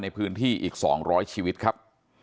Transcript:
ในพื้นที่อีก๒๐๐ชีวิตครับ